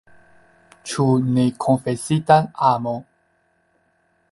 Ĉu nekonfesita amo?